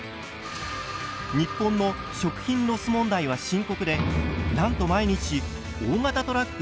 日本の食品ロス問題は深刻でなんと毎日大型トラック